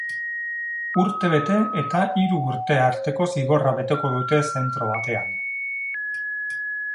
Urtebete eta hiru arteko zigorra beteko dute zentro batean.